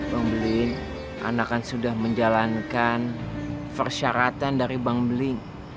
bang belin anak kan sudah menjalankan persyaratan dari bang belin